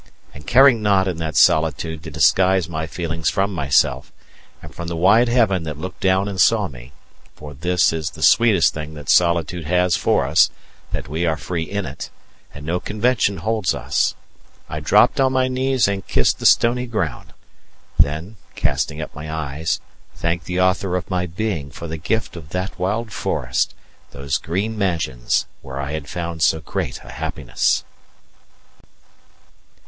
And caring not in that solitude to disguise my feelings from myself, and from the wide heaven that looked down and saw me for this is the sweetest thing that solitude has for us, that we are free in it, and no convention holds us I dropped on my knees and kissed the stony ground, then casting up my eyes, thanked the Author of my being for the gift of that wild forest, those green mansions where I had found so great a happiness!